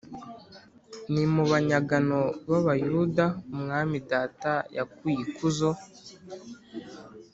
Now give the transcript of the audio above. Ni mu banyagano b’Abayuda Umwami Data yakuye ikuzo